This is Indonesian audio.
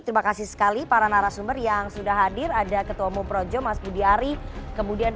terima kasih sekali para narasumber yang sudah hadir ada ketua umum projo mas budi ari kemudian